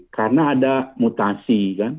karena ada mutasi kan